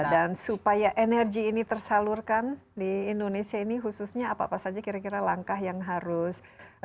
dan supaya energi ini tersalurkan di indonesia ini khususnya apa apa saja kira kira langkah yang harus